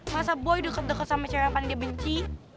masa boy dekat dekat sama cewek yang paling dia benci